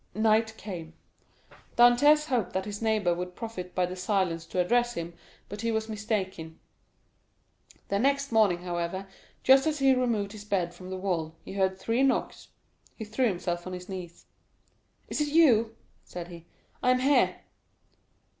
Night came; Dantès hoped that his neighbor would profit by the silence to address him, but he was mistaken. The next morning, however, just as he removed his bed from the wall, he heard three knocks; he threw himself on his knees. "Is it you?" said he; "I am here."